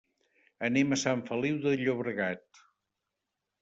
Anem a Sant Feliu de Llobregat.